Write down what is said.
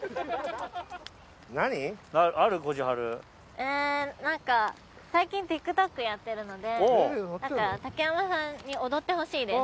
えなんか最近ＴｉｋＴｏｋやってるのでんか竹山さんに踊ってほしいです。